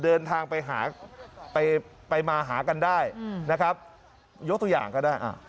เดินทางไปหาไปมาหากันได้นะครับยกตัวอย่างก็ได้